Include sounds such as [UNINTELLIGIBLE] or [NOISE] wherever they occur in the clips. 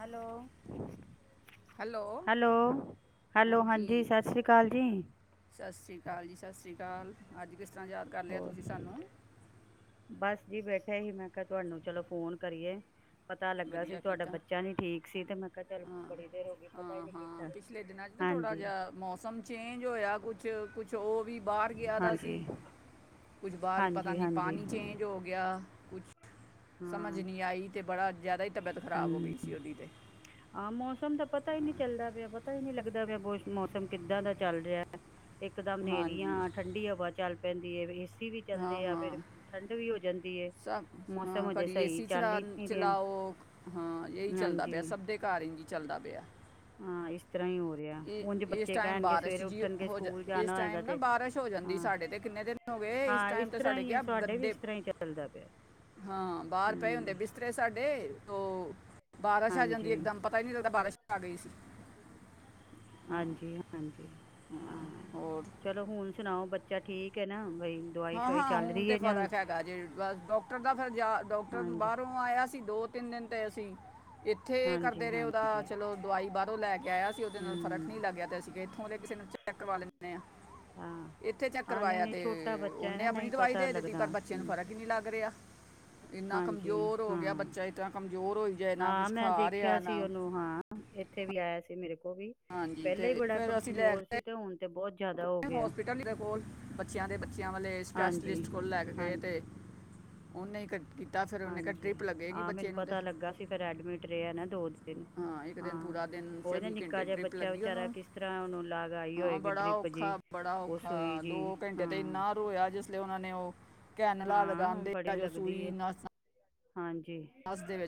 Hello. Hello hello- hello ਹਾਂਜੀ, ਸਤਿ ਸ੍ਰੀ ਅਕਾਲ ਜੀ। ਸਤਿ ਸ਼੍ਰੀ ਅਕਾਲ ਜੀ -ਸਤਿ ਸ਼੍ਰੀ ਅਕਾਲ, ਅੱਜ ਕਿਸ ਤਰ੍ਹਾਂ ਯਾਦ ਕਰ ਲਿਆ ਹੋਰ ਤੁਸੀਂ ਸਾਨੂੰ। ਬਸ ਜੀ ਬੈਠਾ ਸੀ ਮੈਂ ਕਿਹਾ ਤੁਹਾਨੂੰ ਚਲੋ ਫੋਨ ਕਰੀਏ। ਪਤਾ ਲੱਗਾ ਸੀ ਵਧੀਆ ਤੁਹਾਡਾ ਕੀਤਾ ਬੱਚਾ ਨੀ ਠੀਕ ਸੀ ਤੇ ਮੈਂ ਕਿਹਾ ਚੱਲ ਹਾਂ ਬੜੀ ਦੇਰ ਹੋ ਗਈ ਪਤਾ ਹੀ ਨੀ ਕੀਤਾ। ਥੋੜ੍ਹਾ ਹਾਂਜੀ ਜਿਹਾ ਮੌਸਮ ਚੇਂਜ ਹੋਇਆ ਕੁਝ। ਕੁਛ ਉਹ ਵੀ ਬਾਹਰ ਗਿਆ ਤਾਂ ਸੀ ਹਾਂਜੀ ਕੁਛ ਬਾਹਰ ਪਤਾ ਹਾਂਜੀ ਨਹੀਂ ਹਾਂਜੀ ਪਾਣੀ ਚੇਂਜ ਹੋ ਗਿਆ। ਗਿਆ। ਹਾਂ ਸਮਝ ਨਹੀਂ ਆਈ ਤੇ ਬੜਾ ਜ਼ਿਆਦਾ ਹੀ ਤਬੀਅਤ ਖ਼ਰਾਬ ਹੋ ਗਈ ਸੀ ਉਹਦੀ ਤੇ। ਆਮ ਮੌਸਮ ਦਾ ਪਤਾ ਹੀ ਨਹੀਂ ਚੱਲਦਾ ਪਿਆ ਪਤਾ ਹੀ ਲੱਗਦਾ ਪਿਆ, ਮੌਸਮ ਕਿੱਦਾਂ ਦਾ ਚੱਲ ਰਿਹਾ। ਇਕ-ਦਮ ਹਾਂਜੀ ਹਨੇਰੀਆਂ ਠੰਡੀ ਹਵਾ ਚੱਲ ਪੈਂਦੀ ਹੈ ਏਸੀ ਵੀ। ਹਾਂ ਚੱਲਦੇ ਆ ਹਾਂ ਫਿਰ ਠੰਡ ਵੀ ਹੋ ਜਾਂਦੀ ਹੈ ਸਭ ਹਾਂ ਮੌਸਮ ਹਜੇ ਕਦੀ ਸਹੀ ਏਸੀ ਚੱਲ ਚਲਾ ਹੀ ਨੀ ਰਿਹਾ। ਚਲਾਓ ਹਾਂ ਇਹੀ ਚੱਲਦਾ ਪਿਆ ਹਾਂਜੀ ਸਭ ਦੇ ਘਰ ਏ ਹੀ ਚੱਲਦਾ ਪਿਆ। ਹਾਂ ਇਸ ਤਰ੍ਹਾਂ ਹੀ ਹੋ ਰਿਹਾ ਇਹ ਉਝ ਇਸ ਬੱਚੇ ਟਾਈਮ ਕਹਿਣਗੇ ਬਾਰਸ਼ ਸਵੇਰੇ ਜੀ ਉੱਠਣਗੇ ਹੋ ਜਾ ਸਕੂਲ ਇਸ ਜਾਣਾ ਹੋਏਗਾ ਟਾਈਮ ਨਾ ਤੇ ਬਾਰਿਸ਼। ਹੋ ਜਾਂਦੀ ਹਾਂ ਸਾਡੇ ਤੇ ਕਿੰਨੇ ਦਿਨ ਹੋ ਗਏ। ਇਸ ਹਾਂ ਟਾਈਮ ਤੇ ਤਰ੍ਹਾਂ ਸਾਡੇ ਹੀ ਕੀ ਹੈ ਆ ਵੀ ਗੱਦੇ ਇਸ ਤਰ੍ਹਾਂ ਹੀ ਚੱਲਦਾ ਪਿਆ ਹਾਂ ਬਾਹਰ ਪਏ ਹੁੰਦੇ ਹਮ ਬਿਸ ਬਿਸਤਰੇ ਸਾਡੇ ਤੋ ਬਾਰਿਸ਼ ਆ ਜਾਂਦੀ ਹਾਂਜੀ ਇਕ -ਦਮ ਪਤਾ ਹੀ ਨਹੀਂ ਲੱਗਦਾ ਬਾਰਿਸ਼ ਆ ਗਈ ਸੀ। ਹਾਂਜੀ -ਹਾਂਜੀ ਹਾਂ, ਚਲੋ ਹੁਣ ਸੁਣਾਓ ਬੱਚਾ ਠੀਕ ਹੈ ਨਾ ਬਈ ਦਵਾਈ ਹਾਂ- ਸ਼ਵਾਈ ਹਾਂ ਚੱਲ ਹੁਣ ਰਹੀ ਤੇ ਹੈ ਜਾਂ ਫ਼ਰਕ ਹੈਗਾ ਜੇ ਬਸ ਡਾਕਟਰ ਦਾ, ਫਿਰ ਡਾਕਟਰ ਹਾਂਜੀ ਬਾਹਰੋਂ ਆਇਆ ਸੀ ਦੋ ਤਿੰਨ ਦਿਨ ਤੇ ਅਸੀਂ ਇੱਥੇ ਹਾਂਜੀ ਕਰਦੇ ਰਹੇ ਉਹਦਾ ਹਾਂਜੀ ਚਲੋ ਦਵਾਈ ਬਾਹਰੋਂ ਲੈ ਕੇ ਆਇਆ ਸੀ ਉਹਦੇ ਨਾਲ ਫਰਕ ਹਮ ਨਹੀਂ ਲੱਗਿਆ ਤੇ ਅ ਸੀ ਇੱਥੋਂ ਦੇ ਕਿਸੇ ਨੂੰ ਚੈੱਕ ਕਰਵਾ ਲੈਂਦੇ ਆ, ਹਾਂ ਇੱਥੇ ਚੈੱਕ ਹਾਂ ਨਹੀਂ ਕਰਵਾਇਆ ਨਹੀਂ ਤੇ ਛੋਟਾ ਬੱਚਾ ਹੈ ਨਾ ਉਹਨੇ ਆਪਣੀ ਨਹੀਂ ਦਵਾਈ ਪਤਾ ਦੇ ਦਿੱਤੀ ਲੱਗਦਾ ਪਰ ਬੱਚੇ ਨੂੰ ਹੂੰ, ਫ਼ਰਕ ਈ ਨਹੀਂ ਲੱਗ ਰਿਹਾ। ਇੰਨਾ ਹਾਂਜੀ ਕਮਜ਼ੋਰ ਹੋ ਗਿਆ ਹਾਂ ਬੱਚਾ, ਏਦਾਂ ਕਮਜ਼ੋਰ ਹੋਈ ਜਾਏ ਨਾ ਹਾਂ ਕੁਛ ਮੈਂ ਖਾ ਦੇਖਿਆ ਰਿਹਾ ਨਾ ਸੀ ਉਹਨੂੰ ਹਾਂ ਇੱਥੇ ਵੀ ਆਇਆ ਸੀ ਮੇਰੇ ਕੋਲ ਵੀ, ਹਾਂਜੀ ਪਹਿਲਾਂ ਤੇ ਹੀ ਬੜਾ ਫਿਰ ਅਸੀਂ ਲੈ ਕਮਜ਼ੋਰ ਕੇ ਸੀ। ਤੇ ਹੁਣ ਤੇ ਬਹੁਤ ਜ਼ਿਆਦਾ ਹੋ ਗਿਆ ਹਸਪੀਟਲ ਦੇ ਕੋਲ ਬੱਚਿਆਂ ਦੇ ਬੱਚਿਆਂ ਵਾਲੇ ਹਾਂਜੀ -ਹਾਂਜੀ। [INAUDIBLE] ਉਹ ਨਹੀਂ ਹਾਂਜੀ, ਹਾਂ ਮੈਨੂੰ ਪਤਾ ਲੱਗਾ ਸੀ ਫਿਰ ਐਡਮਿਟ ਰਿਹਾ ਨਾ ਦੋ ਦਿਨ ਹਾਂ ਇੱਕ ਦਿਨ ਹਾਂ, ਪੂਰਾ ਦਿਨ ਉਹ ਹੀ ਨਾ ਨਿੱਕਾ ਘੰਟੇ ਜਿਹਾ ਡ੍ਰਿਪ ਬੱਚਾ ਲੱਗੀ ਵਿਚਾਰਾ ਉਹਨੂੰ ਕਿਸ ਤਰ੍ਹਾਂ ਉਹਨੂੰ ਲਗਾਈ ਹਾਂ ਹੋਏਗੀ ਬੜਾ ਡਰਿੱਪ ਔਖਾ ਹਾਂਜੀ, ਉਹ ਸੂਈ ਜੀ ਹਾਂ। ਰੋਇਆਂ ਜਿਸ ਲਈ ਉਹਨਾਂ ਨੇ ਉਹ ਕੈਨਲਾ ਹਾਂ ਉਹ ਲਗਾਉਂਦੇ ਬੜੀ ਆ ਜੋ ਲੱਗਦੀ ਸੂਈ ਹੈ ਨਾ ਹਾਂਜੀ। ਦੇ ਵਿੱਚ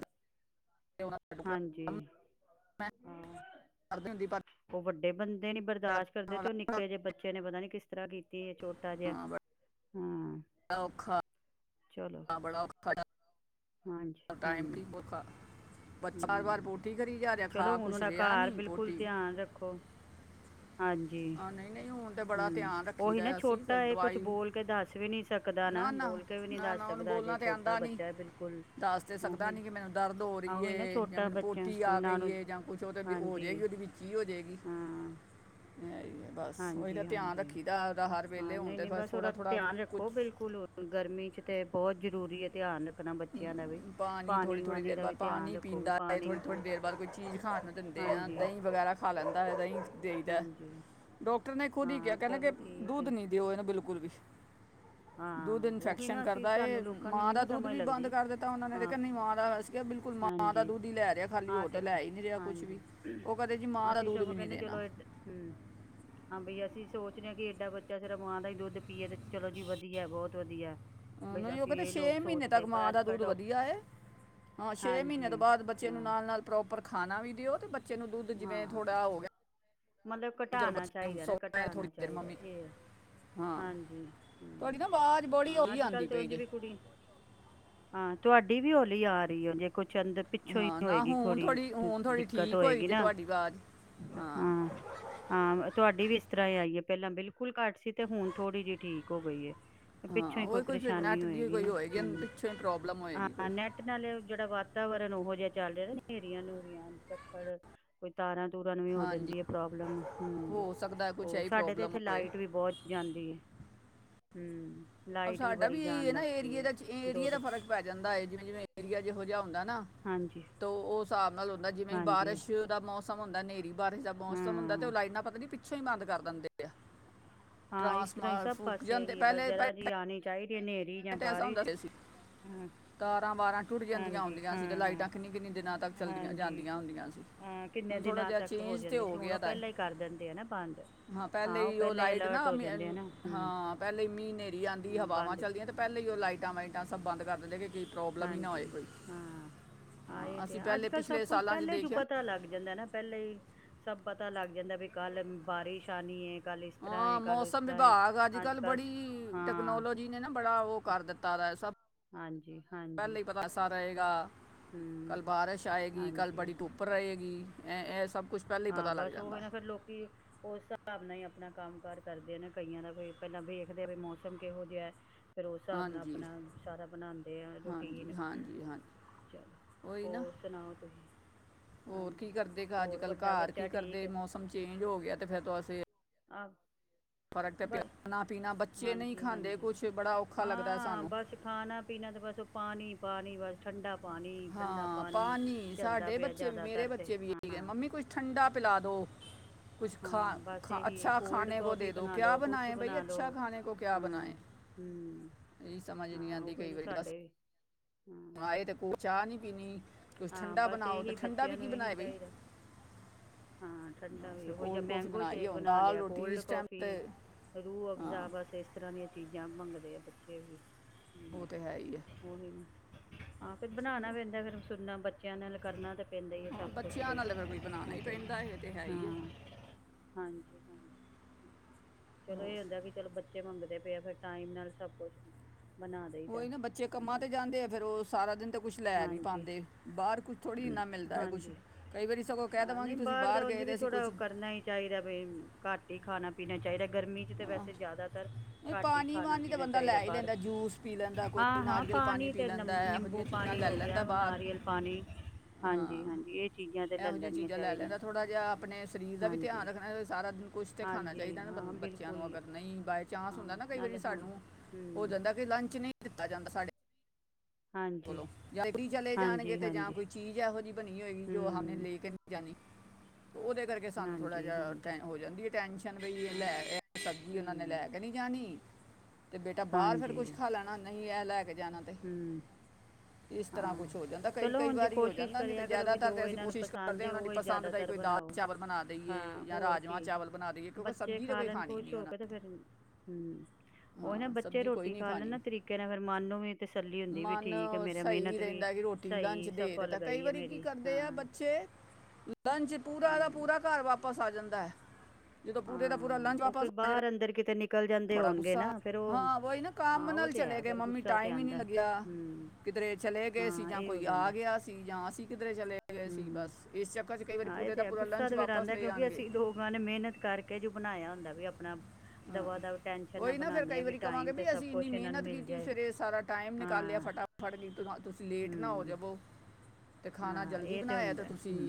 ਕਿ [UNINTELLIGIBLE] ਹਾਂਜੀ। ਹਾਂ ਕਰਦੇ ਹੁੰਦੀ ਪਰ ਉਹ ਵੱਡੇ ਬੰਦੇ ਨੀ ਜਿਹੜਾ ਬਰਦਾਸ਼ਤ ਕਰਦੇ ਬਣਾਉਣ ਤੇ ਉਹ ਵਾਲਾ ਨਿੱਕੇ ਜਿਹੇ ਬੱਚੇ ਨੇ ਪਤਾ ਨੀ ਕਿਸ ਕਿੱਦਾਂ ਕੀਤੀ ਐ ਛੋਟਾ ਜਿਹਾ, ਹਾਂ, ਹਮ। ਔਖਾ। ਚਲੋ। ਬੜਾ ਔਖਾ ਹਾਂਜੀ, ਟਾਈਮ ਹਮ। ਕੀ ਔਖਾ ਬੱਚਾ ਬਾਰ ਬਾਰ ਪੋਟੀ ਕਰੀ ਜਾ ਰਿਹਾ ਚਲੋ ਖਾ ਹੁਣ ਉਹ ਕੁਛ ਦਾ ਰਿਹਾ ਘਰ ਨਹੀਂ ਬਿਲਕੁੱਲ ਪੋਟੀ ਧਿਆਨ ਰੱਖੋ। [INAUDIBLE] ਹਾਂਜੀ ਆ ਨਹੀਂ ਨਹੀਂ ਹੁਣ ਤੇ [INAUDIBLE] ਬੜਾ ਹਮ, ਧਿਆਨ ਉਹੀ ਨਾ ਰੱਖੀਦਾ ਆ ਅਸੀਂ ਫਿਰ ਛੋਟਾ ਇਹ ਕੁਛ ਦਵਾਈ ਬੋਲ ਕੇ ਦੱਸ ਵੀ ਨੀ ਸੀ ਸਕਦਾ ਨਾ ਬੋਲ ਕੇ ਵੀ ਨੀ ਨਾ ਨਾ ਉਹਨੂੰ ਬੋਲਣਾ ਤੇ ਆਉਂਦਾ ਨੀ [INAUDIBLE] ਦੱਸ ਤੇ ਸਕਦਾ ਉਹੀ ਨੀ ਕਿ ਮੈਨੂੰ ਦਰਦ ਹੋ ਨਾ- ਰਹੀ ਉਹੀ ਨਾ ਏ ਜਾਂ ਛੋਟਾ ਮੈਨੂੰ ਬੱਚਾ ਪੋਟੀ ਆ ਉਹਨਾਂ ਗਈ ਨੂੰ ਏ ਜਾਂ ਕੁਛ ਉਹ ਤਾਂ ਹੋ ਹਾਂਜੀ ਜਾਏਗੀ ਉਹਦੇ ਵਿੱਚ ਕੀ ਹੋ ਜਾਵੇਗੀ ਹਾਂ [INAUDIBLE] ਬਸ ਉਹੀ ਤਾਂ ਹਾਂਜੀ ਧਿਆਨ ਹਾਂਜੀ ਰੱਖੀਦਾ ਹਰ ਵੇਲੇ ਹਾਂ ਹੁਣ ਨਹੀਂ ਨਹੀਂ ਤਾਂ ਬਸ ਉਹਦਾ ਥੋੜ੍ਹਾ-ਥੋੜ੍ਹਾ ਧਿਆਨ ਕੁਛ ਰੱਖੋ ਬਿਲਕੁਲ ਗਰਮੀ ਚ ਤੇ ਬਹੁਤ ਜ਼ਰੂਰੀ ਐ ਧਿਆਨ ਰੱਖਣਾ ਬੱਚਿਆਂ ਦਾ ਵੀ ਹਮ ਪਾਣੀ ਥੋੜੀ-ਥੋੜ੍ਹੀ ਵਾਣੀ ਦੇਰ ਦਾ ਵੀ ਬਾਅਦ ਧਿਆਨ ਪਾਣੀ ਰੱਖੋ ਵੀ ਪੀਂਦਾ ਐ ਪਾਣੀ ਵੀ ਪੂ ਥੋੜੀ-ਥੋੜ੍ਹੀ ਦੇਰ ਬਾਅਦ ਕੋਈ ਚੀਜ਼ ਖਾ ਨੂੰ ਦ ਤੇ ਹਾਂਜੀ ਦਹੀਂ ਵਗੈਰਾ ਖਾ ਲੈਂਦਾ ਐ ਦਹੀਂ ਦੇਈਦਾ ਹਾਂਜੀ ਡਾਕਟਰ ਨੇ ਖੁਦ ਹੀ ਹਾਂ ਕਿਹਾ ਕਹਿੰਦਾ ਕਿ ਚਲੋ ਠੀਕ ਹੈ ਦੁੱਧ ਨੀ ਦਿਓ ਇਹਨੂੰ ਬਿਲਕੁਲ ਵੀ [INAUDIBLE] ਦੁੱਧ ਹਾਂ ਉਹੀ ਇਨਫੈਕਸ਼ਨ ਨਾ ਅਸੀਂ ਕਰਦਾ ਸਾਨੂੰ ਇਹ ਲੋਕਾਂ ਨੂੰ ਮਾਂ ਨੀ ਦਾ ਨਾ ਦੁੱਧ ਸਮਝ ਵੀ ਬੰਦ ਲੱਗਦੀ ਕਰ ਦਿੱਤਾ ਉਹਨਾਂ ਨੇ ਹਾਂ ਨੀ ਮਾਂ ਦਾ ਹੋ ਸੀ ਬਿਲਕੁਲ ਮਾਂ ਦਾ ਹਾਂਜੀ ਦੁੱਧ ਹੀ ਲੈ ਰਿਹਾ ਖਾਲੀ ਹਾਂ ਹੋਰ ਤੇ ਲੈ ਹੀ ਨੀ ਰਿਹਾ ਕੁਛ ਵੀ ਹਾਂਜੀ ਉਹ ਕਦੇ ਜੀ ਮਾਂ ਦਾ ਅਸੀਂ ਦੁੱਧ ਸਗੋਂ ਵੀ ਨੀ ਕਹਿੰਦੇ ਦੇ ਚਲੋ ਏਦ ਹਮ [INAUDIBLE] ਹਾਂ ਬਈ ਅਸੀਂ ਸੋਚਦੇ ਆ ਕਿ ਏਡਾ ਬੱਚਾ ਸਿਰਫ ਮਾਂ ਦਾ ਈ ਦੁੱਧ ਪੀਏ ਤੇ ਚਲੋ ਜੀ ਵਧੀਆ ਵਧੀਆ ਬਹੁਤ ਵਧੀਆ। ਬਈ ਨਹੀਂ ਉਹ ਅਸੀਂ ਕਹਿੰਦੇ ਇਹ ਛੇ ਲੋਕ ਮਹੀਨੇ ਸੋਚਦੇ ਤੱਕ ਹਾਂ ਪਰ ਮਾਂ ਅੱਜ ਦਾ ਕੱਲ੍ਹ ਦੁੱਧ ਡਾਕ ਵਧੀਆ ਏ। ਹਾਂ ਛੇ ਮਹੀਨੇ ਹਾਂਜੀ ਤੋਂ ਬਾਅਦ ਬੱਚੇ ਨੂੰ ਹਾਂ ਨਾ ਨਾਲ ਪ੍ਰੋਪਰ ਖਾਣਾ ਵੀ ਦਿਓ ਤੇ ਬੱਚੇ ਨੂੰ ਦੁੱਧ ਜਿਵੇਂ ਹਾਂ ਥੋੜ੍ਹਾ ਹੋ ਗਿਆ ਮਤਲਬ ਚਲੋ ਘਟਾਣਾ ਬੱਚੇ ਨੇ ਹੁਣ ਚਾਹੀਦਾ, ਨਾ ਸੋਣਾ ਹੈ ਥੋੜੀ ਘਟਾਣਾ ਦੇਰ ਚਾਹੀਦਾ ਮੰਮੀ ਇਹ ਐ ਹਾਂ ਹਾਂਜੀ ਹਮ ਤੁਹਾਡੀ ਨਾ ਆਵਾਜ਼ ਬੜੀ ਹਾਂ ਹੌਲੀ ਅੱਜ ਆਂਦੀ ਕੱਲ੍ਹ ਤੇ ਪਈ ਉਝ ਜੇ ਵੀ ਕੁੜੀ ਹਾਂ ਤੁਹਾਡੀ ਵੀ ਹੋਲੀ ਆ ਰਹੀ ਐ ਜੇ ਕੋਈ ਚੰਦ ਪਿੱਛੋਂ ਹੀ ਹਾਂ ਨਾ ਹੋਏਗੀ ਹੁਣ ਥੋੜ੍ਹੀ ਥੋੜੀ ਹੁਣ ਥੋੜੀ ਦਿੱਕਤ ਠੀਕ ਹੋਈ ਹੋਏਗੀ ਜੇ ਨਾ ਤੁਹਾਡੀ ਆਵਾਜ਼ ਹਾਂ ਹਾਂ ਤੁਹਾਡੀ ਵੀ ਇਸ ਤਰ੍ਹਾਂ ਆਈਏ ਪਹਿਲਾਂ ਬਿਲਕੁਲ ਘੱਟ ਸੀ ਤੇ ਹੁਣ ਥੋੜੀ ਜਿਹੀ ਠੀਕ ਹੋ ਗਈ ਏ। ਪਿੱਛੋਂ ਹਾਂ ਈ ਕੋਈ ਉਹ ਫਿਰ ਪਰੇਸ਼ਾਨੀ ਨੈਟ ਦੀ ਹੋਏਗੀ ਕੋਈ ਨਾ ਇਹਨੂੰ ਹਮ ਪਿੱਛੋਂ ਹੀ ਪ੍ਰੋਬਲਮ [INAUDIBLE] ਹੋਏਗੀ ਹਾਂ ਕੋਈ ਨੈਟ ਅੱਜ ਨਾਲੇ ਜਿਹੜਾ ਵਾਤਾਵਰਨ ਉਹੋ ਚੱਲ ਰਹਿਆ ਹਨੇਰੀਆਂ ਨੂਰੀਆਂ ਚੱਖੜ ਕੋਈ ਤਾਰਾਂ ਤੂਰਾਂ ਨੂੰ ਵੀ ਹੋ ਹਾਂਜੀ ਜਾਂਦੀ ਐ ਪ੍ਰੋਬਲਮ ਹਮ ਹੋ ਸਕਦਾ ਹੈ ਕੁਛ ਹੋਰ ਐਹੀ ਸਾਡੇ ਤੇ ਪ੍ਰੋਬਲਮ ਇੱਥੇ ਹੋਏ ਲਾਈਟ ਵੀ ਬਹੁਤ ਜਾਂਦੀ ਐ ਹਮ ਅ ਲਾਈਟ ਸਾਡਾ ਬੜੀ ਵੀ ਜਾਣ ਐ ਨਾ ਲੱਗ ਪਈ ਏਰੀਏ ਹੈ ਦਾ 'ਚ ਦੋ ਏਰੀਏ ਦਾ ਦੋ ਫਰਕ ਪੈ ਜਾਂਦਾ ਐ ਜਿਵੇਂ -ਜਿਵੇਂ ਏਰੀਆ ਜਿਹੋ-ਜਿਹਾ ਹੁੰਦਾ ਨਾ ਹਾਂਜੀ ਤੋ ਉਹ ਹਿਸਾਬ ਨਾਲ ਹੁੰਦਾ ਜਿਵੇਂ ਹਾਂਜੀ ਬਾਰਿਸ਼ ਦਾ ਮੌਸਮ ਹੁੰਦਾ ਹਨੇਰੀ ਬਾਰਿਸ਼ ਦਾ ਮੌਸਮ ਹੁੰਦਾ ਤੇ ਹਾਂ ਉਹ ਲਾਈਨਾ ਪਤਾ ਨੀ ਪਿੱਛੋਂ ਹੀ ਬੰਦ ਕਰ ਦਿੰਦੇ ਆ ਹਾਂ ਇਸ ਤਰ੍ਹਾਂ ਹੀ ਟਰਾਂਸਮਾਰ ਸਭ ਫੁੱਕ ਪਾਸੇ ਜਾਂਦੇ ਇਹੀ ਐ ਬਸ ਜਰਾ ਜੀ ਆਉਣੀ ਚਾਹੀਦੀ ਐ ਹਨੇਰੀ ਜਾਂ [UNINTELLIGIBLE] ਬਾਰਿਸ਼ ਹਾਂ ਕਾਰਾਂ ਬਾਰਾਂ ਟੁੱਟ ਜਾਂਦੀਆਂ ਹਾਂਜੀ ਹੁੰਦੀਆਂ ਸੀ ਤੇ ਹਾਂ ਹਾਂ ਲਾਈਟਾਂ ਕਿੰਨੀ-ਕਿੰਨੀ ਦਿਨਾਂ ਤੱਕ ਚਲਦੀਆਂ ਹਾਂਜੀ ਜਾਂਦੀਆਂ ਹੁੰਦੀਆਂ ਸੀ। ਹਾਂ ਕਿੰਨੇ ਹੁਣ ਥੋੜਾ ਦਿਨਾਂ ਜਿਹਾ ਤੱਕ ਹੋ ਚੇਂਜ ਤੇ ਜਾਂਦੀ ਸੀ ਹੁਣ ਗਿਆ ਉਹ ਤਾਂ ਇਹ। ਪਹਿਲਾਂ ਹੀ ਕਰ ਦਿੰਦੇ ਆ ਨਾ ਬੰਦ। ਹਾਂ ਪਹਿਲੇ ਈ ਉਹ ਪਹਿਲਾਂ ਹੀ ਲਾਈਟ ਅਲਰਟ ਨਾ ਹੋ ਜਾਂਦੇ ਆ ਨਾ ਹੂੰ ਹਾਂ ਪਹਿਲੇ ਮੀਂਹ ਹਨੇਰੀ ਆਉਂਦੀ ਹਾਂ ਹਵਾਵਾਂ ਬੰਦ ਚੱਲਦੀਆਂ ਤੇ ਪਹਿਲਾਂ ਈ ਉਹ ਲਾਈਟਾਂ ਵਾਈਟਾਂ ਸਭ ਬੰਦ ਕਰ ਦਿੰਦੇ ਗ ਕੀ ਹਾਂਜੀ ਹਾਂ ਆਏ ਹਾਂ ਤੇ ਅਸੀਂ ਆ ਪਹਿਲੇ ਅੱਜ-ਕੱਲ੍ਹ ਸਭ ਪਿਛਲੇ ਕੁਛ ਸਾਲਾਂ ਪਹਿਲੇ 'ਚ ਦੇਖਿਆ ਪਤਾ ਪਤਾ ਲੱਗ ਜਾਂਦਾ ਏ ਨਾ ਪਹਿਲਾਂ ਹੀ ਸਭ ਪਤਾ ਲੱਗ ਜਾਂਦਾ ਵੀ ਕੱਲ ਬਾਰਿਸ਼ ਆਉਣੀ ਐ ਹਾਂ ਮੌਸਮ ਵਿਭਾਗ ਅੱਜ ਅੱਜ-ਕੱਲ੍ਹ ਕੱਲ ਬੜੀ ਹਾਂ ਟੈਕਨੋਲੋਜੀ ਜੀ ਨੇ ਨਾ ਬੜਾ ਉਹ ਕਰ ਦਿੱਤਾ ਦਾ ਸਭ ਹਾਂਜੀ-ਹਾਂਜੀ। ਐਸਾ ਰਹੇਗਾ ਕੱਲ ਬਾਰਿਸ਼ ਆਏਗੀ ਕੱਲ ਬੜੀ ਹਾਂਜੀ ਟੂਪ ਉਪ ਰਹੇਗੀ ਐ ਐ ਇਹ ਸਭ ਕੁੱਛ ਹਾਂ ਬਸ ਉਹੀ ਨਾ ਫਿਰ ਲੋਕੀ ਉਸ ਹਿਸਾਬ ਨਾਲ ਹੀ ਆਪਣਾ ਕੰਮ ਕਾਰ ਕਰਦੇ ਨੇ। ਕਈਆਂ ਦਾ ਕੋ ਪਹਿਲਾਂ ਵੇਖਦੇ ਹ ਵੀ ਮੌਸਮ ਕਿਹੋ ਜਿਹਾ। ਫਿਰ ਉਸ ਹਿਸਾਬ ਨਾਲ ਹਾਂਜੀ ਆਪਣਾ ਸਾਰਾ ਬਣਾਦੇ ਆ ਹਾਂਜੀ ਰੂਟੀਨ। ਹਾਂਜੀ ਹਾਂਜੀ ਚਲੋ ਉਹੀ ਨਾ ਹੋਰ ਸੁਣਾਓ ਤੁਸੀ? ਹੋਰ ਕੀ ਕਰਦੇ ਅੱਜ-ਕੱਲ੍ਹ ਘਰ ਬੱਚਾ ਕੀ ਠੀਕ ਕਰਦੇ ਹੈ ਮੌਸਮ ਚੇਜ ਹੋ ਗਿਆ ਤੇ ਫਿਰ ਤੋਂ ਅਸੀ ਆਹ। ਬਸ ਨਾ ਪੀਣਾ ਬੱਚੇ ਨਹੀਂ ਖਾਂਦੇ ਹਾਂਜੀ-ਹਾਂਜੀ। ਕੁਝ ਬੜਾ ਔਖਾ ਲੱਗਦਾ ਹੈ ਹਾਂ ਸਾਨੂੰ ਬਸ ਖਾਣਾ ਪੀਣਾ ਤੇ ਬਸ ਉਹ ਪਾਣੀ-ਪਾਣੀ ਬਸ। ਠੰਡਾ ਪਾਣੀ ਪਾਣੀ ਠੰਡਾ ਹਾਂ ਪਾਣੀ ਚੱਲਦਾ ਸਾਡੇ ਪਿਆ ਬੱਚੇ ਵੀ ਮੇਰੇ ਜ਼ਿਆਦਾਤਰ ਤੇ ਬੱਚੇ ਵੀ ਇਹੀ ਹਾਂ। ਮੰਮੀ ਕੁਛ ਠੰਡਾ ਪਿਲਾ ਦੋ। ਕੁੱਛ ਹਾਂ ਬਸ ਖਾ-ਖਾ ਇਹੀ ਅੱਛਾ ਕੋਲਡ ਖਾਣੇ ਕੋ ਦੇ ਕੌਫੀ ਦੋ ਬਣਾ ਕਿਆ ਲੋ ਕੁਛ ਬਣਾਏ ਬਾਈ ਬਣਾ ਲੋ ਅੱਛਾ ਖਾਣੇ ਕੋ ਕਿਆ ਹਾਂ ਬਣਾਏ। ਹਮ ਹਾਂ ਉਹੀ ਨੇ ਸਾਡੇ ਵੀ ਹਮ ਇਹਦੇ ਕੋਲੋ ਚਾਹ ਨੀ ਪੀਣੀ। ਕੁਝ ਹਾਂ, ਠੰਡਾ ਬਸ ਬਣਾਓ ਤੇ ਇਹੀ ਠੰਡਾ ਵੀ ਬੱਚਿਆਂ ਕੀ ਨੂੰ ਇਹੀ ਬਣਾਏ ਬਈ ਚਾਹੀਦਾ। ਹਾਂ ਠੰਡਾ ਵੀ ਫਿਰ ਉਹੋ ਜਿਹਾ ਕੋਲਡ ਕਾਫੀ ਮੈਂਗੋ ਬਣਾਈ ਸ਼ੇਕ ਹੈ ਹੁਣ ਬਣਾ ਦਾਲ ਲਿਆ ਰੋਟੀ ਕੋਲਡ ਇਸ ਟਾਈਮ ਕੋਫੀ ਤੇ ਰੂਹ ਹਾਂ ਅਫਜ਼ਾ ਬਸ ਇਸ ਤਰ੍ਹਾਂ ਦੀਆਂ ਚੀਜ਼ਾਂ ਮੰਗਦੇ ਆ ਬੱਚੇ ਵੀ‌। ਉਹ ਤਾਂ ਹੈਹੀ ਏ। ਉਹੀ ਨਾ ਹਾਂ ਫਿਰ ਬਣਾਣਾ ਪਹਿੰਦਾ ਫਿਰ ਸੁਣਨਾ ਬੱਚਿਆਂ ਨਾਲ ਕਰਨਾ ਤੇ ਪੈਂਦੇ ਹੀ ਹਾਂ ਸਭ ਕੁੱਛ ਲਈ ਬੱਚਿਆਂ ਨਾਲ ਤਾਂ ਫਿਰ ਕੁਝ ਬਣਾਉਣਾ ਹੀ ਵੀ ਪੈਂਦਾ ਇਹ ਤੇ ਹੈ ਹੀ ਹੈ ਹਾਂ। ਹਾਂਜੀ-ਹਾਂਜੀ। ਚਲੋ ਹੋਰ ਇਹ ਹੁੰਦਾ ਕਿ ਚਲੋ ਬੱਚੇ ਮੰਗਦੇ ਪਏ ਆ ਫਿਰ ਟਾਈਮ ਨਾਲ ਸਭ ਕੁਛ ਬਣਾ ਦਈਦਾ ਉਹੀ ਨਾ ਬੱਚੇ ਕੰਮਾਂ ਹੂੰ ਤੇ ਜਾਂਦੇ ਆ ਫਿਰ ਉਹ ਸਾਰਾ ਦਿਨ ਤਾਂ ਕੁਛ ਲੈ ਨਹੀਂ ਹਾਂਜੀ ਪਾਦੇ ਬਾਹਰ ਕੁਛ ਥੋੜ੍ਹੀ ਇੰਨਾ ਮਿਲਦਾ ਏ ਕੁਛ। ਹਾਂਜੀ ਕਈ ਵਾਰੀ ਸਗੋ ਹਾਂ ਨਹੀਂ ਬਾਹਰ ਦਾ ਉਝ ਵੀ ਥੋੜਾ ਕਰਨਾ ਹੀ ਚਾਹੀਦਾ ਬਈ ਘੱਟ ਹੀ ਖਾਣਾ-ਪੀਣਾ ਚਾਹੀਦਾ। ਗਰਮੀ'ਚ ਤਾਂ ਹਾਂ ਵੈਸੇ ਜ਼ਿਆਦਾਤਰ ਇਹ ਘੱਟ ਹੀ ਪਾਣੀ ਵਾਣੀ ਤਾਂ ਖਾਣਾ-ਪੀਣਾ ਬੰਦਾ ਚਾਹੀਦਾ ਲੈ ਹੀ ਬਾਹਰ। ਲੈਂਦਾ ਜੂਸ ਪੀ ਲੈਂਦਾ ਕੋਈ ਹਾਂ-ਹਾਂ। ਨਾਰੀਅਲ ਪਾਣੀ ਪੀ ਤੇ ਨ ਲੈਂਦਾ ਇਹੋ ਨਿੰਬੂ ਜਿਹੀਆਂ ਚੀਜ਼ਾਂ ਪਾਣੀ ਲੈ ਹੋ ਗਿਆ। ਲੈਂਦਾ ਬਾਹਰ ਨਾਰੀਅਲ ਪਾਣੀ ਹਾਂਜੀ ਹਾਂ, ਹਾਂਜੀ ਇਹ ਚੀਜ਼ਾਂ ਤੇ ਲੈ ਇਹੋ ਲੈਣੀਆਂ ਜਿਹੀਆਂ ਲੈ ਚਾਹੀਦੀਆਂ ਲੈਦਾ ਥੋੜ੍ਹਾ ਆਪਣੇ ਸਰੀਰ ਦਾ ਵੀ ਧਿਆਨ ਹਾਂਜੀ ਰੱਖਣਾ ਸਾਰਾ ਦਿ ਕੁਛ ਤਾਂ ਖਾਣਾ ਹਾਂਜੀ ਚਾਹੀਦਾ ਨਾ ਬੰ ਹਾਂ ਬੱ- ਬੱਚਿਆਂ ਨੂੰ ਬਿਲਕੁਲ ਅਗਰ ਨਹੀ ਬਾਏ ਚਾਂਸ ਹੁੰਦਾ ਹਾਂ ਨਾ ਕਈ ਵਾਰੀ ਨਾਲੇ ਹਾਂ ਸਾਨੂੰ ਹੋ ਹੂੰ ਜਾਂਦਾ ਕਿ ਲੰਚ ਨਹੀਂ ਦਿੱਤਾ ਜਾਂਦਾ ਸਾਡੇ ਹਾਂਜੀ ਲੋਰੀ ਚਲੇ ਜਾਣਗੇ ਹਾਂਜੀ ਤੇ ਜਾਂ ਹਾਂਜੀ ਕੋਈ ਚੀਜ਼ ਇਹੋ ਜਿਹੀ ਬਣੀ ਹੋਏਗੀ ਜੋ ਹੁਣੇ ਹੂੰ ਲੇ ਕੇ ਜਾਣੀ ਉਹਦੇ ਕਰਕੇ ਕਿ ਸਾਨੂੰ ਥੋੜਾ ਹਾਂਜੀ ਜਿਹਾ ਹਾਂਜੀ ਟ ਹੋ ਜਾਂਦੀ ਟੈਨਸ਼ਨ ਬਈ ਇਹ ਲੈ ਹਾਂ ਸਬਜ਼ੀ ਉਹਨਾਂ ਨੇ ਲੈ ਹੂੰ ਕੇ ਨ ਜਾਣੀ ਤੇ ਬੇਟਾ ਬਾਹਰ ਫਿਰ ਕੁੱਛ ਹਾਂਜੀ ਖਾ ਲੈਣਾ ਨਹੀਂ ਇਹ ਲੈ ਕੇ ਜਾਣਾ ਤੇ। ਹਮ। ਇਸ ਤਰ੍ਹਾਂ ਕੁਝ ਹਾਂ, ਹੋ ਜਾਂਦਾ ਕਈ ਚਲੋ ਕਈ ਹੁਣ ਜੇ ਵਾਰੀ ਹੋ ਕੋਸ਼ਿਸ਼ ਜਾਂਦਾ ਨਹੀਂ ਤਾਂ ਕਰਿਆ ਕਰੋ ਕਿ ਜ਼ਿਆਦਾਤਰ ਜੋ ਤੇ ਅਸੀਂ ਇਹਨਾਂ ਨੂੰ ਕੋਸ਼ਿਸ਼ ਪਸੰਦ ਕਰਦੇ ਹਾਂ ਹੈ ਉਹਨਾਂ ਦੀ ਉਹੀ ਪਸੰਦ ਦਾ ਹੀ ਜ਼ਿਆਦਾਤਰ ਕੋਈ ਦਾਲ ਬਣਾਓ। ਚਾਵਲ ਬਣਾ ਦਈਏ ਹਾਂ ਜਾਂ ਹੋਰ ਰਾਜਮਾਂਹ ਕੀ ਚਾਵਲ ਬਣਾ ਦਈਏ ਕਿਉਂਕਿ ਬੱਚੇ ਸਬਜ਼ੀ ਤਾਂ ਖਾ ਕੋਈ ਲੈਣ ਖਾਣੀ ਖੁਸ਼ ਨਹੀਂ ਹੋ ਉਹਨਾਂ ਕੇ ਤੇ ਨੇ। ਫਿਰ ਹਮ। ਉਹ ਨਾਂ ਹਾਂ ਬੱਚੇ ਸਬਜ਼ੀ ਕੋਈ ਰੋਟੀ ਨਹੀਂ ਖਾ ਲੈਣ ਖਾਣੀ ਨਾ ਤਰੀਕੇ ਨਾਲ ਫਿਰ ਮਨ ਨੂੰ ਵੀ ਤਸੱਲੀ ਹੁੰਦੀ ਵੀ ਨਾਂ ਠੀਕ ਹੈ ਉਹ ਮੇਰਾ ਸਹੀ ਮਿਹਨਤ ਵੀ ਰਹਿੰਦਾ ਕਿ ਰੋਟੀ ਲੰਚ ਸਹੀ ਦੇ ਦੇ ਸਫਲ ਤਾਂ ਕਈ ਗਈ ਹੈ ਵਾਰੀ ਕੀ ਮੇਰੀ ਕਰਦੇ ਹਾਂ ਆ ਬੱਚੇ ਲੰਚ ਪੂਰਾ ਦਾ ਹੂੰ ਪੂਰਾ ਘਰ ਵਾਪਿਸ ਆ ਜਾਂਦਾ। ਜਦੋਂ ਪੂਰੇ ਦਾ ਪੂਰਾ ਹਾਂ ਲੰਚ ਉਹ ਵਾਪਸ ਆ ਜਾਂਦਾ ਬਾਹਰ ਫਿਰ ਅੰਦਰ ਕਿਤੇ ਨਿਕਲ ਜਾਂਦੇ ਬੜਾ ਹੋਣਗੇ ਗੁੱਸਾ ਨਾ ਫਿਰ ਉਹ ਹਾਂ ਵੋਹੀ ਨਾ ਕੰਮ ਹਾਂ ਉਹ ਨਾਲ ਤੇ ਚਲੇ ਹੈ ਗਏ ਫਿਰ ਮੰਮੀ ਗੁੱਸਾ ਤੇ ਟਾਈਮ ਹੀ ਨਹੀਂ ਆਂਦਾ ਲੱਗਿਆ।। ਹੂੰ ਕਿਧਰੇ ਚਲੇ ਗਏ ਸੀ ਹਾਂ ਜਾਂ ਇਹ ਹੋ ਕੋਈ ਆ ਜਾਂਦਾ ਗਿਆ ਸੀ ਜਾਂ ਅਸੀਂ ਕਿਧਰੇ ਚਲੇ ਗਏ ਸੀ ਬਸ ਹੂੰ ਇਸ ਚੱਕਰ'ਚ ਕਈ ਵਾਰੀ ਹਾਂ ਪੂਰੇ ਦਾ ਪੂਰਾ ਲੰਚ ਵਾਪਸ ਲੈ ਆਣਗੇ। ਉਹਨਾਂ ਮਿਹਨਤ ਕਰਕੇ ਜੋ ਬਣਾਇਆ ਹੁੰਦਾ ਵੀ ਆਪਣਾ ਹਾਂ ਦਵਾ ਦਵ ਟੈਨਸ਼ਨ ਉਹੀ ਨਾ ਫਿਰ ਬਣਾਉਂਦੇ ਕਈ ਆ ਵੀ ਵਾਰੀ ਕਵਾਂਗੇ ਟਾਈਮ ਬ ਤੇ ਸਭ ਅਸੀਂ ਇੰਨੀ ਕੁਛ ਇਹਨਾਂ ਨੂੰ ਮਿਹਨਤ ਮਿਲ ਕੀਤੀ ਜਾਏ ਫਿਰ ਇਹ ਸਾਰਾ ਟਾਈਮ ਨਿਕਾਲਿਆ ਹਾਂ ਫਟਾ [UNINTELLIGIBLE] ਤੁਸੀਂ ਲੇਟ ਨਾਂ ਹੋ ਹਮ ਜਾਵੋ। [INAUDIBLE] ਤੇ ਖਾਣਾ ਹਾਂ ਜਲਦੀ ਇਹ ਬਣਾਇਆ ਤੇ ਹੁੰਦਾ ਤੁਸੀਂ ਹਮ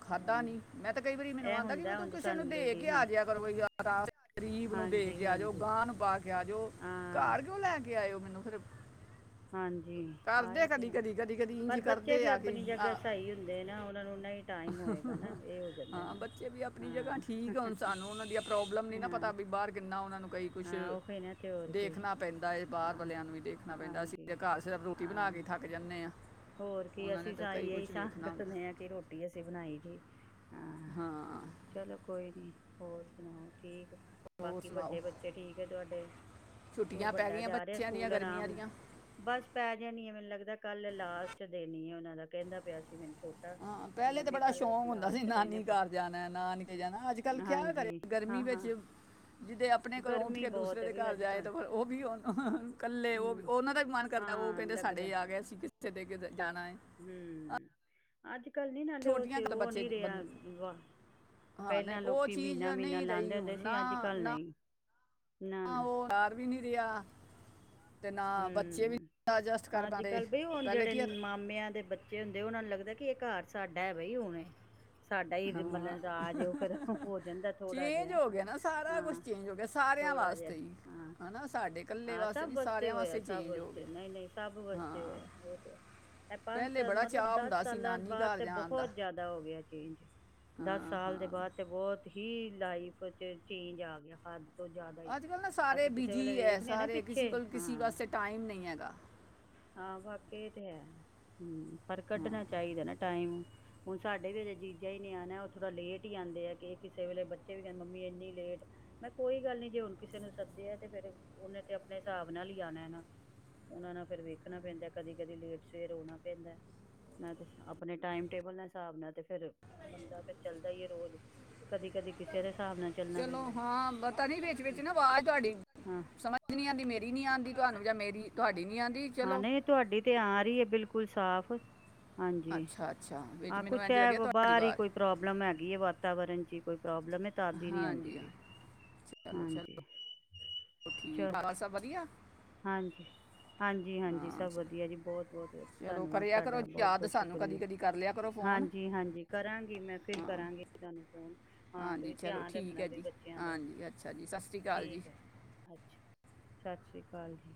ਖਾਧਾ ਹਮ ਨੀਂ ਮੈਂ ਤੇ ਕਈ ਵਾਰੀ ਮੈਨੂੰ ਇਹ ਹੁੰਦਾ ਹੁਣ [UNINTELLIGIBLE] ਚਲੋ ਸਾਨੂੰ ਦੇ ਲੇਡੀਜ਼ ਕੇ ਨੇ ਆਜਿਆ ਕਰੋ [UNINTELLIGIBLE] ਗਰੀਬ ਨੂੰ ਦੇ ਹਾਂਜੀ ਕੇ ਆ ਜਾਓ ਹਾਂਜੀ ਗਾਂ ਨੂੰ ਪਾ ਕੇ ਤੇ ਆਜੋ [INAUDIBLE] ਹਾਂ ਘਰ ਕਿਉਂ ਲੈ ਕੇ ਆਇਓ ਮੈਨੂੰ ਫਿਰ ਹਾਂਜੀ ਆ ਕਰਦੇ ਈ ਤੇ ਕਦੀ ਐ ਕਦੀ ਕਦੀ ਕਦੀ [INAUDIBLE] ਇੰਜ ਪਰ ਹੀ ਬੱਚੇ ਕਰਦੇ ਵੀ ਆ ਕਿ ਆਪਣੀ ਜਗ੍ਹਾ ਆ- ਸਹੀ ਲੇਨਾਂ ਆ ਉਹਨਾਂ ਨੂੰ ਨਹੀਂ ਟਾਈਮ ਹੋਏਗਾ ਨਾ ਇਹ ਹੋ [UNINTELLIGIBLE] ਜਾਂਦਾ ਹਾਂ ਨਾ ਬੱਚੇ ਵੀ ਆਪਣੀ ਜਗ੍ਹਾ ਹਾਂ ਠੀਕ ਆ ਹੁਣ ਸਾਨੂੰ ਉਹਨਾਂ ਦੀਆਂ ਪ੍ਰੋਬਲਮ ਨੀ ਨਾ ਪਤਾ ਹਾਂ ਵੀ ਬਾਹਰ ਕਿੰਨਾ ਉਹਨਾਂ ਨੂੰ ਕਈ ਕੁਛ ਹਾਂ ਉਹੀ ਨਾ ਤੇ [INAUDIBLE] ਹੋਰ ਕੀ ਦੇਖਣਾ ਪੈਂਦਾ ਬਾਹਰ ਹਾਂ ਵਾਲਿਆਂ ਨੂੰ ਵੀ ਦੇਖਣਾ ਪੈਂਦਾ ਅਸੀਂ ਹਾਂਜੀ ਤੇ ਘਰ ਸਿਰਫ ਰੋਟੀ ਹਾਂ ਕੇ ਥੱਕ ਜਾਂਨੇ ਆ। ਹੋਰ ਕੀ ਉਹਨਾਂ ਨੇ ਅਸੀਂ ਸ ਤਾਂ ਕਈ ਕੁਝ ਇਹੀ ਸਾਨ ਵੇਖਣਾ ਕਰਦੇ ਹੁੰਦਾ ਹਾਂ ਕਿ ਰੋਟੀ ਅਸੀਂ ਬਣਾਈ ਜੀ, ਹਾਂ। ਹਾਂ। ਚਲੋ ਕੋਈ ਨੀਂ ਹੋਰ ਸੁਣਾਓ ਠੀਕ ਹੋਰ ਬਾਕੀ ਸੁਣਾਓ ਵੱਡੇ ਬੱਚੇ ਠੀਕ ਐ ਤੁਹਾਡੇ [INAUDIBLE] 'ਚ ਛੁੱਟੀਆਂ ਪੈ ਵੱਡਾ ਗਈਆਂ ਜਾ ਰਿਹਾ ਬੱਚਿਆਂ ਦੀਆਂ ਸਕੂਲ ਆਰਾਮ ਗਰਮੀਆਂ ਨਾਲ ਦੀਆਂ ਬਸ ਪੈ ਜਾਨੀ ਆ ਮੈਨੂੰ ਲੱਗਦਾ ਕੱਲ੍ਹ ਲਾਸਟ ਦਿਨ ਈ ਉਹਨਾਂ ਦਾ ਕਹਿੰਦਾ ਪਿਆ ਸੀ ਮੈਨੂੰ ਛੋਟ ਹਾਂ ਪਹਿਲੇ ਤਾਂ ਬੜਾ ਸ਼ੌਕ ਹੁੰਦਾ ਸੀ, ਦਿਨ ਏ ਨਾਨੀ ਘਰ ਜਾਣਾ, ਨਾਨਕੇ ਜਾਣਾ, ਅੱਜ-ਕੱਲ੍ਹ ਕਿਆ ਕਰੇ ਹਾਂਜੀ ਹਾਂ ਗਰਮੀ ਵਿੱਚ ਹਾਂ ਜਿਦੇ ਆਪਣੇ ਘਰੋਂ ਉੱਠ ਗਰਮੀ ਕੇ ਬਹੁਤ ਦੂਸਰੇ ਹੈ ਦੇ ਵੀ ਘਰ ਅੱਜ ਜਾਏ ਕੱਲ ਤਾਂ ਫਿਰ ਉਹ ਵੀ ਹੁਣ [UNINTELLIGIBLE] ਇਕੱਲੇ ਉਹ ਵੀ ਹਮ ਉਹਨਾਂ ਦਾ ਵੀ ਮਨ ਕਰਦਾ ਉਹ ਹਾਂ ਕਹਿੰਦੇ ਲੱਗਦਾ ਸਾਡੇ ਆ ਗਿਆ ਏ ਅਸੀਂ ਕਿੱਥੇ ਦੇ ਕੇ ਜਾਣਾ ਏ। ਹਮ ਅੱਜ-ਕੱਲ੍ਹ ਨੀਂ ਨਾਲੇ ਉਹ ਛੋਟੀਆਂ ਕੁ ਉਹ ਬੱਚੇ ਨੀਂ ਬੰ- ਰਿਹਾ ਵਾਹ ਹਾਂ ਨਹੀਂ ਪਹਿਲਾਂ ਉਹ ਲੋਕੀ ਚੀਜ਼ ਮਹੀਨਾ-ਮਹੀਨਾ ਨਹੀਂ ਲਾਉਂਦੇ ਹੁੰਦੇ ਸੀ। ਅੱਜ-ਕੱਲ੍ਹ ਨਹੀਂ। [INAUDIBLE] ਹਾਂ ਨਾ-ਨਾ, ਉਹ ਬਾਰ ਵੀ ਨੀਂ ਰਿਹਾ [INAUDIBLE] ਬੱਚੇ ਵੀ ਹੂੰ, ਐਡਜਸਟ ਕਰ ਪਾਉਂਦੇ ਅੱਜ-ਕੱਲ ਬਈ ਹੁਣ ਪਹਿਲੇ ਕੀ ਆ- ਜਿਹੜੇ ਮਾਮਿਆਂ ਦੇ ਬ ਜੇ ਹੁੰਦੇ ਉਹਨਾਂ ਨੂੰ ਲੱਗਦਾ ਕਿ ਇਹ ਘਰ ਸਾਡਾ ਐ ਬਈ ਹੁਣ ਸਾਡਾ ਈ ਹਾਂ ਮਤਲਬ ਰਾਜ ਉਹ ਫ਼ਿਰ ਹੋ ਜਾਂਦਾ ਥੋੜਾ ਚੇਂਜ ਜਿਹਾ, ਹੋ ਗਿਆ ਨਾ ਸਾਰਾ ਕੁਝ ਹਾਂ। ਚੇਂਜ ਹੋ ਗਿਆ ਸਾਰਿਆਂ ਥੋੜਾ ਜਿਹਾ ਵਾਸਤੇ ਈ ਹਨਾ ਸਾਡੇ ਇਕੱਲੇ ਵਾਸਤੇ ਨੀ ਸਾ ਤੇ ਹੋਇਆ ਸਭ ਵਾਸਤੇ ਨਹੀਂ ਨਹੀਂ ਸਭ ਵਾਸਤੇ ਹਾਂ ਹੋਇਆ ਉਹ ਤੇ ਹੈ। ਇਹ ਪੰਜ ਪਹਿਲੇ ਸਾਲ ਬੜਾ ਮਤਲਬ ਚਾਹ ਦਸ ਹੁੰਦਾ ਸੀ ਸਾਲਾਂ ਨਾਨੀ ਬਾਅਦ ਘਰ ਤੇ ਜਾਣ ਬਹੁਤ ਜ਼ਿਆਦਾ ਦਾ ਹੋ ਗਿਆ ਚੇਂਜ ਦਸ ਹਾਂ ਸਾਲ ਦੇ ਹਾਂ ਬਾਅਦ ਤੇ ਬਹੁਤ ਹੀ ਲਾਈਫ ਚ ਚੇਂਜ ਆ ਗਿਆ [UNINTELLIGIBLE] ਹੀ। ਅੱਜ ਕੱਲ੍ਹ ਨਾ ਸਾਰੇ ਅਸੀਂ ਕਿਸੇ ਵੇਲੇ ਬਿਜ਼ੀ ਐ ਵੇਖਦੇ ਨਾ ਸਾਰੇ ਕਿਸੇ ਪਿੱਛੇ ਕੋਲ ਕਿਸੇ ਹਾਂ ਵਾਸਤੇ ਟਾਈਮ ਨਹੀਂ ਹੈਗਾ। ਹਾਂ ਬਾਕੀ ਇਹ ਤੇ ਹੈ ਪਰ ਕੱਢਣਾ ਚਾਹੀਦਾ ਏ ਨਾ ਟਾਈਮ। ਹੁਣ ਸਾਡੇ ਵੀ ਅਜੇ ਜੀਜਾ ਹੀ ਨ ਆਣਾ ਉਹ ਥੋੜ੍ਹਾ ਲੇਟ ਹੀ ਆਂਦੇ ਏ ਕਿ ਕਿਸੇ ਵੇਲੇ ਬੱਚੇ ਵੀ ਕਹਿੰਦੇ ਮੰਮੀ ਇੰਨੀ ਲੇਟ ਨਾ ਕੋਈ ਗੱਲ ਨੀ ਜੇ ਹੋਰ ਕਿਸੇ ਨੂੰ ਸੱਦਿਆ ਤੇ ਫ਼ਿਰ ਉਹਨੇ ਤੇ ਆਪਣੇ ਹਿਸਾਬ ਨਾਲ ਹੀ ਆਣਾ ਐ ਨਾ। ਉਹਨਾ ਨਾਲ ਫਿਰ ਵੇਖਣਾ ਪੈਂਦਾ ਕਦੀ ਕਦੀ ਲੇਟ ਸ਼ੇਟ ਹੋਣਾ ਪੈਂਦਾ। ਨਾ ਤੇ ਆਪਣੇ ਟਾਈਮ ਟੇਬਲ ਨਾਲ ਹਿਸਾਬ ਨਾਲ ਤੇ ਫਿਰ ਬੰਦਾ ਫਿਰ ਚੱਲਦਾ ਈ ਐ ਰੋਜ਼। ਕਦੀ ਕਦੀ ਕਿਸੇ ਦੇ ਹਿਸਾਬ ਨਾਲ ਚ ਚਲੋ ਹਾਂ ਪਤਾ ਨੀ ਵਿੱਚ ਵਿੱਚ ਚ ਨਾ ਆਵਾਜ਼ ਤੁਹਾਡੀ ਹਾਂ ਸਮਝ ਨੀ ਆਂਦੀ ਮੇਰੀ ਨੀ ਆਦੀ ਤੁਹਾਨੂੰ ਜਾਂ ਮੇਰੀ ਤੁਹਾਡੀ ਨੀ ਆਂਦੀ। ਹਾਂ ਚਲੋ ਨਹੀਂ ਤੁਹਾਡੀ ਤੇ ਆ ਰਹੀ ਐ ਬਿਲਕੁਲ ਸਾਫ਼। ਹਾਂਜੀ, ਅੱਛਾ ਅੱਛਾ ਵਿੱਚ ਹਾਂ ਮੈਨੂੰ ਕੁਛ ਇੰਜ ਲੱਗਿਆ ਐਬ ਤੁਹਾਡੀ ਬਾਹਰ ਹੀ ਆਵਾਜ਼ ਕੋਈ। ਪ੍ਰੋਬਲਮ ਹੈਗੀ ਹੈ ਵਾਤਾਵਰਨ ਚ ਹੀ ਕੋਈ ਪ੍ਰੋਬਲਮ ਐ ਤਦ ਹੀ ਨਹੀਂ ਆਉਂਦੀ ਹਾਂਜੀ ਹਾਂ ਪਈ ਹਾਂਜੀ। ਉਹ ਠੀਕ ਚਲ [UNINTELLIGIBLE] ਸਭ ਵਧੀਆ। [INAUDIBLE] ਹਾਂਜੀ। ਹਾਂਜੀ- ਹਾਂਜੀ ਹਾਂ ਸਭ ਚ- ਵਧੀਆ ਜੀ ਬਹੁਤ -ਬਹੁਤ ਚਲੋ ਧੰਨਵਾਦ ਕਰਿਆ ਕਰੋ ਤੁਹਾਡਾ ਬਹੁਤ ਯਾਦ -ਬਹੁਤ ਸਾਨੂੰ ਕਦੀ ਸ਼ੁਕਰੀਆ ਕਦੀ ਕਰ ਲਿਆ ਕਰੋ ਫੋਨ ਹਾਂਜੀ। ਹਾਂਜੀ ਕਰਾਂਗੀ ਮੈਂ ਫਿਰ ਹਾਂ ਕਰਾਂਗੀ ਤੁਹਾਨੂੰ ਫੋਨ। ਹਾਂ ਹਾਂਜੀ ਤੁਸੀਂ ਚਲੋ ਧਿਆਨ ਰੱਖਣਾ ਠੀਕ ਹੈ ਆਪਣੇ ਜੀ ਬੱਚਿਆਂ ਦਾ ਹਾਂਜੀ ਅੱਛਾ ਜੀ ਸਤਿ ਸ਼੍ਰੀ ਅਕਾਲ ਜੀ ਠੀਕ ਹੈ। ਅੱਛਾ, ਸਤਿ ਸ਼੍ਰੀ ਅਕਾਲ ਜੀ।